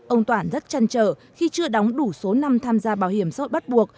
ông toản rất chăn trở khi chưa đóng đủ số năm tham gia bảo hiểm xã hội bắt buộc